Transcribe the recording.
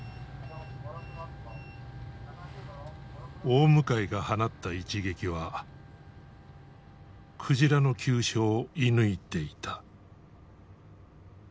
大向が放った一撃は鯨の急所を射ぬいていた。